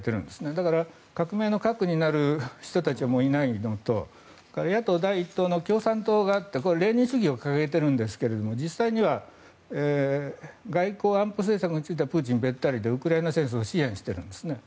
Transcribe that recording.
だから、革命の核になる人たちはもういないのとそれから野党第１党の共産党があってこれはレーニン主義を掲げているんですが実際には外交安保政策についてはプーチンべったりでウクライナ戦争を支援してるんですね。